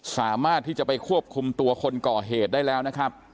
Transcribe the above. สามารถที่จะไปควบคุมตัวคนก่อเหตุได้แล้วนะครับ